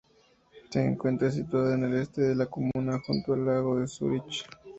Se encuentra situada en el este de la comuna, junto al lago de Zúrich.